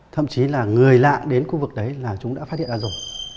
thậm chí là người lạ đến khu vực đấy là chúng đã phát hiện ra rồi